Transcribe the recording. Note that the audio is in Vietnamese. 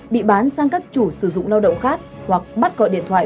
bị bán sang các chủ sử dụng lao động khác hoặc bắt gọi điện thoại